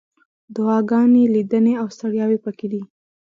دعاګانې، لیدنې، او ستړیاوې پکې دي.